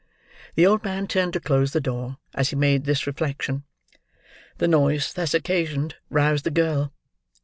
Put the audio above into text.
The old man turned to close the door, as he made this reflection; the noise thus occasioned, roused the girl.